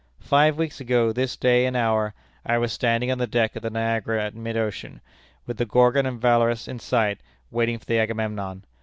Five weeks ago, this day and hour, I was standing on the deck of the Niagara in mid ocean, with the Gorgon and Valorous in sight, waiting for the Agamemnon.